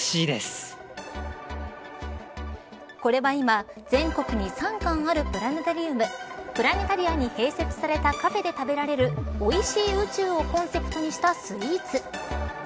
これは今、全国に３館あるプラネタリウムプラネタリアに併設されたカフェで食べられるおいしい宇宙をコンセプトにしたスイーツ。